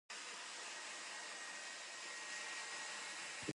十喙九尻川